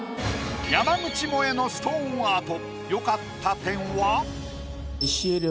山口もえのストーンアート。